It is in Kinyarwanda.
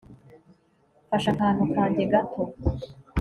Mfashe akantu kanjye gato